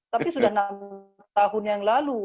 tapi sudah enam tahun yang lalu